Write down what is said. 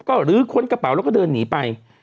ก็ลื้อค้นกระเป๋าแล้วก็เดินหนีไป